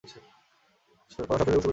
সব সরীসৃপের সুগঠিত লেজ থাকে।